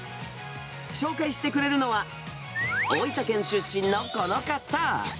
紹介してくれるのは、大分県出身のこの方。